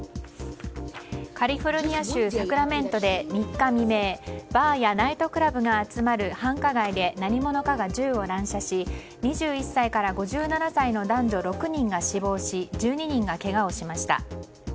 カリフォルニア州サクラメントで３日未明バーやナイトクラブが集まる繁華街で何者かが銃を乱射し２１歳から５７歳の男女６人が死亡し１２人がけがをしました。